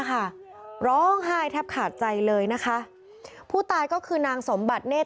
ค่ะร้องไห้แทบขาดใจเลยนะคะผู้ตายก็คือนางสมบัติเนธ